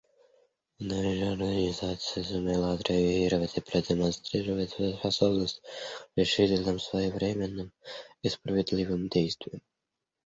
Наша Организация сумела отреагировать и продемонстрировать свою способность к решительным, своевременным и справедливым действиям.